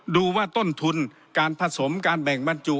ดูว่าต้นทุนการผสมการแบ่งบรรจุ